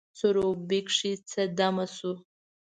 سروبي کښي څه دمه سوو